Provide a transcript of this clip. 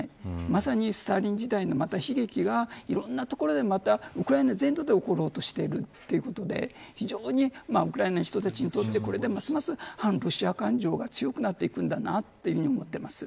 まさにスターリン時代の悲劇がいろんな所でまたウクライナ全土で起ころうとしているということで非常にウクライナの人たちにとってこれで、ますます反ロシア感情が強くなっていくんだと思っています。